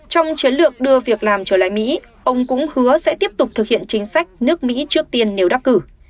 trong chiến lược đưa việc làm trở lại mỹ ông cũng hứa sẽ tiếp tục thực hiện chính sách nước mỹ trước tiên nếu đắc cử